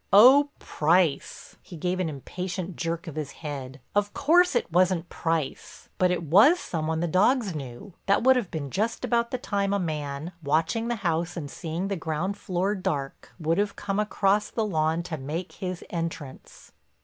"Oh, Price—" he gave an impatient jerk of his head—"of course it wasn't Price, but it was some one the dogs knew. That would have been just about the time a man, watching the house and seeing the ground floor dark, would have come across the lawn to make his entrance."